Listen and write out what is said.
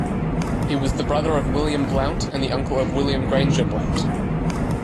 He was the brother of William Blount and the uncle of William Grainger Blount.